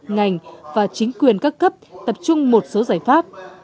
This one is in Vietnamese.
ngành và chính quyền các cấp tập trung một số giải pháp